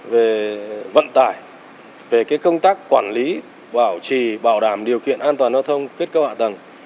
về vận tải về công tác quản lý bảo trì bảo đảm điều kiện an toàn giao thông kết cấu hạ tầng